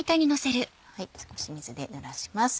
少し水でぬらします。